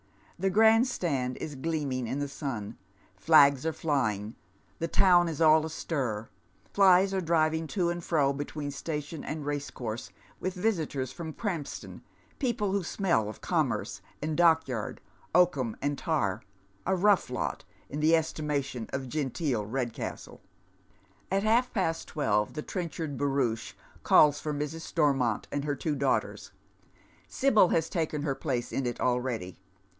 The grand stand ia gleaming in tlae sun, flags are flying, the town is all astir, flies are driving to and fro between station and racecourse, with visi tors from Krami3ston, people who smell of commerce and dock yard, oakum and tar, a rough lot in the estimation of genteel Eedcastle. At half past twelve the Trenchard barouche calls for Airs. Stonnont and her two daughters ; Sibyl has taken her place in it already.